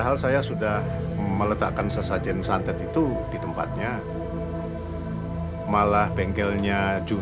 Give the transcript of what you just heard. kalau paling istrinya bang jajah